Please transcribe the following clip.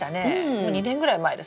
もう２年ぐらい前ですかね？